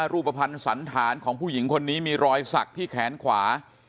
รูปภัณฑ์สันธารของผู้หญิงคนนี้มีรอยสักที่แขนขวา